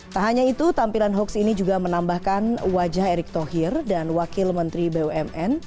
tak hanya itu tampilan hoax ini juga menambahkan wajah erick thohir dan wakil menteri bumn